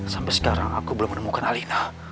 sampai sekarang aku belum menemukan alina